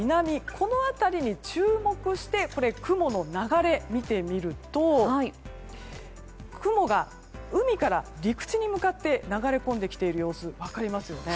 この辺りに注目して雲の流れを見てみると雲が、海から陸地に向かって流れ込んできている様子分かりますよね。